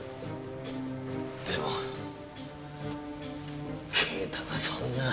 でも啓太がそんな。